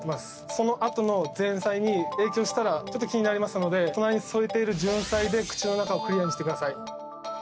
そのあとの前菜に影響したらちょっと気になりますので隣に添えているじゅんさいで口の中をクリアにしてください